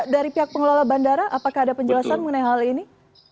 dari pihak pengelola bandara apakah ada penjelasan mengenai hal ini